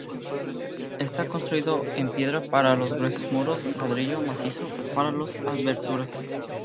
Está construido en piedra para los gruesos muros, ladrillo macizo para las aberturas.